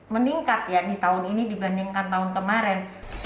meningkat ya di tahun ini dibandingkan tahun kemarin